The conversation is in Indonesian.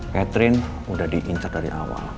catherine udah diincar dari awal